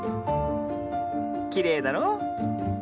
きれいだろう。